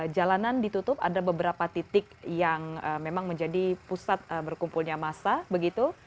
jalanan ditutup ada beberapa titik yang memang menjadi pusat berkumpulnya massa begitu